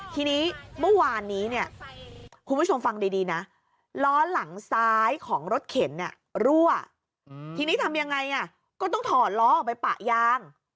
ทีนี้ทำยังไงก็ต้องถอดล้ออออกไปปะยาง